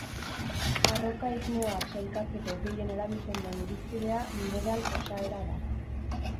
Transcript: Arroka igneoak sailkatzeko gehien erabiltzen den irizpidea mineral-osaera da.